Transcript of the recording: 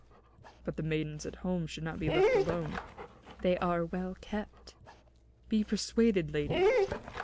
"But the maidens at home should not be left alone." "They are well kept." "Be persuaded, lady."